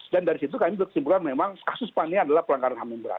dan dari situ kami kesimpulan memang kasus paniai adalah pelanggaran ham berat